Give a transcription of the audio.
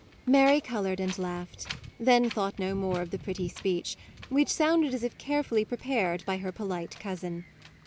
Mary coloured and laughed; then thought no more of the pretty speech, which sounded as if carefully pre pared by her polite cousin.